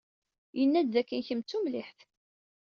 Yenna-d dakken kemm d tumliḥt.